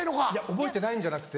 覚えてないんじゃなくて。